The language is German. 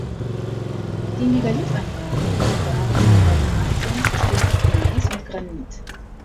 Die Megalithanlagen im bulgarischen Teil Thrakiens bestehen aus Gneis und Granit.